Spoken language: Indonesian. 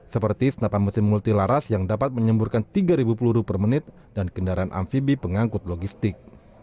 seperti senapan mesin multilaras yang dapat menyemburkan tiga peluru per menit dan kendaraan amfibi pengangkut logistik